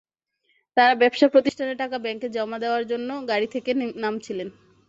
তাঁরা ব্যবসা প্রতিষ্ঠানের টাকা ব্যাংকে জমা দেওয়ার জন্য গাড়ি থেকে নামছিলেন।